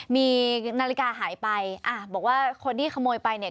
มีนาฬิกาหายไปอ่ะบอกว่าคนที่ขโมยไปเนี่ย